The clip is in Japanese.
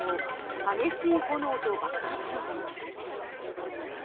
激しい炎と爆発音。